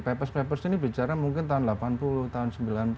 papers papers ini bicara mungkin tahun delapan puluh tahun sembilan puluh